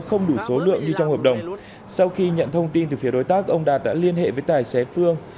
không đủ số lượng như trong hợp đồng sau khi nhận thông tin từ phía đối tác ông đạt đã liên hệ với tài xế phương